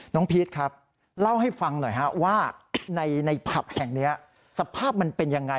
พีชครับเล่าให้ฟังหน่อยฮะว่าในผับแห่งนี้สภาพมันเป็นยังไง